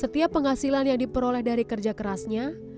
setiap penghasilan yang diperoleh dari kerja kerasnya